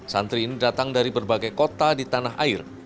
santri ini datang dari berbagai kota di tanah air